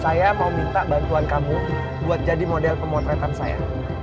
saya mau minta bantuan kamu buat jadi model pemotretan saya